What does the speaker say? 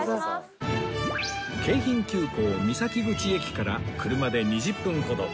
京浜急行三崎口駅から車で２０分ほど